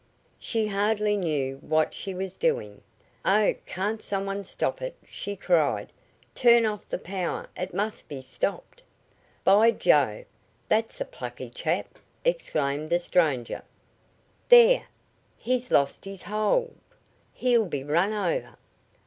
She hardly knew what she was doing. "Oh, can't some one stop it?" she cried. "Turn off the power! It must be stopped!" "By Jove! That's a plucky chap!" exclaimed a stranger. "There! He's lost his hold! He'll be run over!"